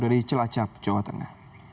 silah cap jawatannya